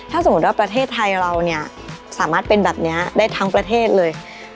ถ้าสมมุติว่าประเทศไทยเราเนี่ยสามารถเป็นแบบนี้ได้ทั้งประเทศเลย